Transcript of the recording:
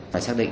phải xác định